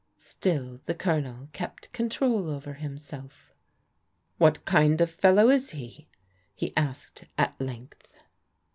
Still the Colonel kept control over himself. What kind of fellow is he ?" he asked at length.